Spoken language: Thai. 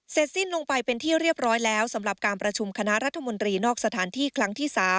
สิ้นลงไปเป็นที่เรียบร้อยแล้วสำหรับการประชุมคณะรัฐมนตรีนอกสถานที่ครั้งที่๓